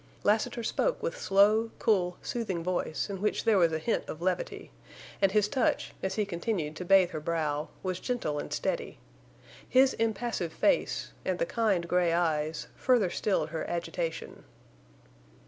Lassiter spoke with slow, cool, soothing voice, in which there was a hint of levity, and his touch, as he continued to bathe her brow, was gentle and steady. His impassive face, and the kind gray eyes, further stilled her agitation.